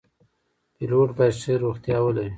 پیلوټ باید ښه روغتیا ولري.